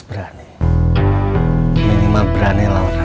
hiwag semana ini akan berubah planetari